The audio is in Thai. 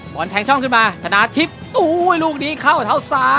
วอนทางช่องขึ้นมาทะน้าทิบอู้ว้ยลูกนี้เข้าเท้าซ้าย